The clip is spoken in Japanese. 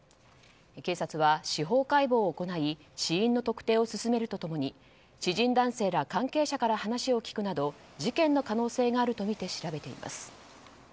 警察は司法解剖を行い死因の特定を進めると共に知人男性ら関係者から話を聞くなど事件の可能性があるとみて調べています。